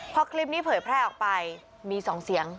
เพราะคลิปนี้เผยแพร่ออกไปมีสองเสียง